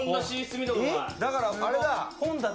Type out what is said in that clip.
だからあれだ。